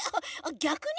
ぎゃくに？